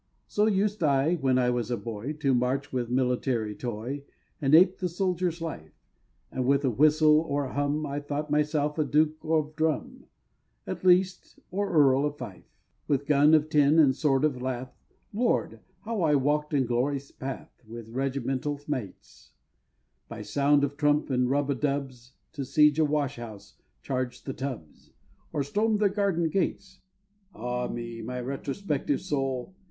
So used I, when I was a boy, To march with military toy, And ape the soldier's life; And with a whistle or a hum, I thought myself a Duke of Drum At least, or Earl of Fife. With gun of tin and sword of lath, Lord! how I walk'd in glory's path With regimental mates, By sound of trump and rub a dubs To 'siege the washhouse charge the tubs Or storm the garden gates. Ah me! my retrospective soul!